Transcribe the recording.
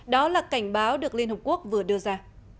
đó là cảnh báo được liên hợp quốc vừa đưa ra